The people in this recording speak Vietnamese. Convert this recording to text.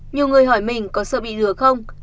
nhiều người hỏi mình có sợ bị lừa không